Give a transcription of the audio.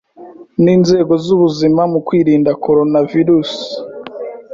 n’inzego z’ubuzima mu kwirinda Coronavirus